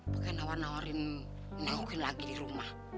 bagaimana warna warin nengokin lagi di rumah